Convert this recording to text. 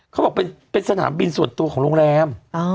เขาบอกเป็นสนามบินส่วนตัวของโรงแรม